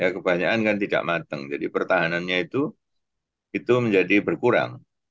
kebanyakan kan tidak mateng jadi pertahanannya itu menjadi berkurang